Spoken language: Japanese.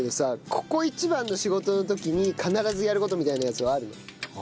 ここ一番の仕事の時に必ずやる事みたいなやつはあるの？